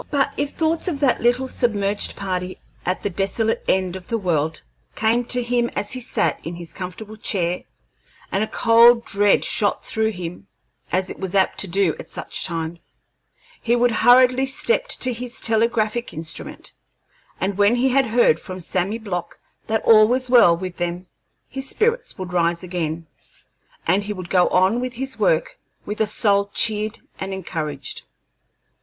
But if thoughts of that little submerged party at the desolate end of the world came to him as he sat in his comfortable chair, and a cold dread shot through him, as it was apt to do at such times, he would hurriedly step to his telegraphic instrument, and when he had heard from Sammy Block that all was well with them, his spirits would rise again, and he would go on with his work with a soul cheered and encouraged.